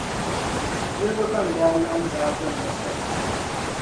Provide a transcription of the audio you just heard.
Nirba ban daa laɣim daa gam la sariya.